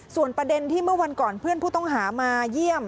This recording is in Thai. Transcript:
ส่วนประเด็นที่เมื่อวันก่อนเพื่อนผู้ต้องหามาเยี่ยม